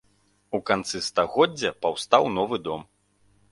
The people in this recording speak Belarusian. У канцы стагоддзя паўстаў новы дом.